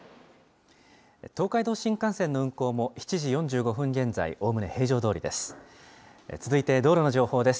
東海道新幹線の運行も７時４５分現在おおむね平常どおりです。